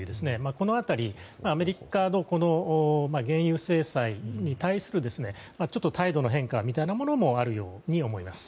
この辺りアメリカの原油制裁に対する態度の変化みたいなものもあるように思います。